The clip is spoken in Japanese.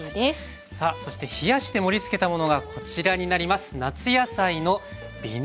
さあそして冷やして盛りつけたものがこちらになります。